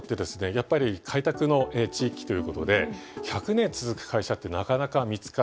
やっぱり開拓の地域ということで１００年続く会社ってなかなか見つからないですね。